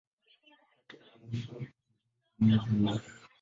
Hata hivyo ya mwisho ndiyo muhimu zaidi.